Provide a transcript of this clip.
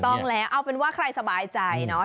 ถูกต้องแหละอ้าวเป็นว่าใครสบายใจนะ